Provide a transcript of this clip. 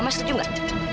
ma setuju nggak